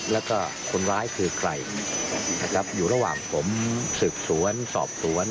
แล้วก็คนร้ายคือใครนะครับอยู่ระหว่างผมสืบสวนสอบสวน